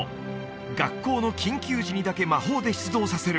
学校の緊急時にだけ魔法で出動させる